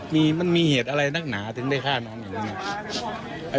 มันมีเหตุอะไรนักหนาถึงได้ฆ่าน้องอย่างนี้